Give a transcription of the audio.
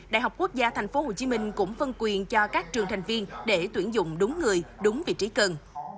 đại học quốc gia tp hcm cũng phân quyền cho các trường thành viên để tuyển dụng đúng người đúng vị trí cần